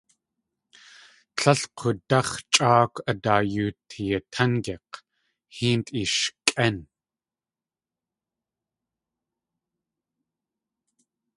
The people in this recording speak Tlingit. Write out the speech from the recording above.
Tlél k̲údáx̲ chʼáakw a daa yoo teetángik̲, héent eeshkʼén!